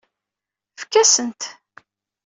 Efk-as-tent.